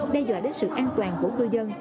đe dọa đến sự an toàn của cư dân